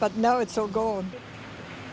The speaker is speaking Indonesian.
tapi sekarang sudah berakhir